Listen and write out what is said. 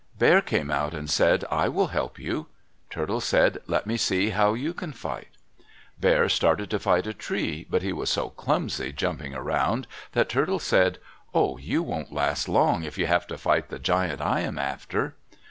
Bear came out and said, "I will help you." Turtle said, "Let me see how you can fight." Bear started to fight a tree, but he was so clumsy jumping around, that Turtle said, "Oh, you won't last long if you have to fight the giant I am after."